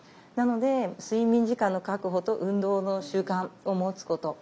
なので睡眠時間の確保と運動の習慣を持つこと。